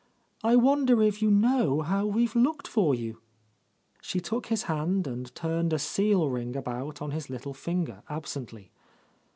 I wonder if you know how we've looked for you?" She took his hand and turned a seal ring about on his little finger absently.